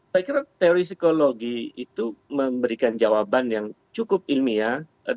saya kira teori psikologi itu memberikan jawaban yang cukup ilmiah